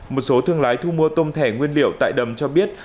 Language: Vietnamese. một số thương lái thu mua tôm thẻ nguyên liệu tại đầm cho biết